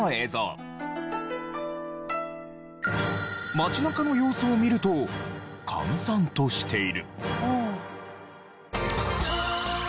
街中の様子を見ると閑散としている。